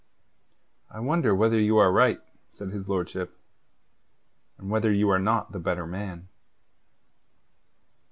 "I wonder whether you are right," said his lordship, "and whether you are not the better man."